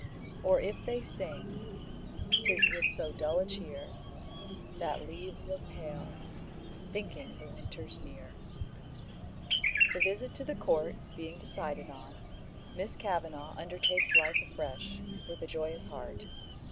"Or if they sing, 'tis with so dull a cheer, That leaves look pale, thinking the winter's near." The visit to the Court being decided on, Miss Kavanagh undertakes life afresh, with a joyous heart.